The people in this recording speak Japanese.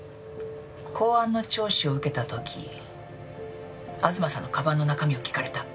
公安の聴取を受けた時東さんの鞄の中身を聞かれた。